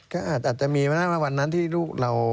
ก็อาจจะมีมาได้ว่าวันนั้นที่ลูกเรา